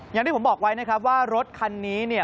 อย่างที่ผมบอกไว้ว่ารถคันนี้